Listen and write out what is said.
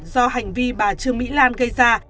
do hành vi bà trương mỹ lan gây ra